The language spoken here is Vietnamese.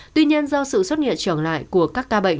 tuy nhiên do sự xuất hiện trở lại của các ca bệnh